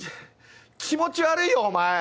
気持ち悪いよお前！